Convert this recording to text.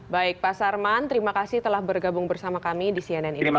baik pak sarman terima kasih telah bergabung bersama kami di cnn indonesia